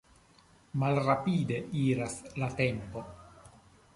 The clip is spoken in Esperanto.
Malrapide iras la tempo.